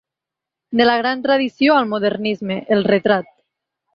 De la gran tradició al modernisme: el retrat.